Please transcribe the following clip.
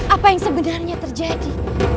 apa yang sebenarnya terjadi